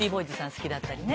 好きだったりね